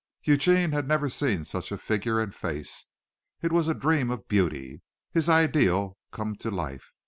Eugene had never seen such a figure and face. It was a dream of beauty his ideal come to life.